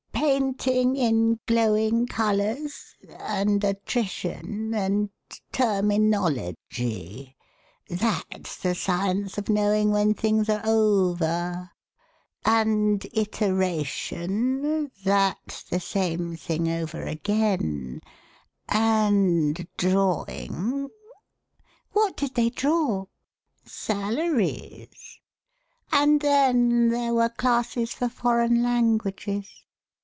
Painting in glowing colours, and attrition, and terminology (that's the science of knowing when things are over), and iteration (that's the same thing over again), and drawing " What did they draw?" Salaries. And then there were classes for foreign languages.